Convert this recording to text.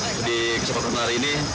untuk di kesempatan hari ini